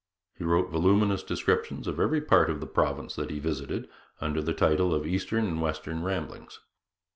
He wrote voluminous descriptions of every part of the province that he visited, under the title of 'Eastern and Western Ramblings.'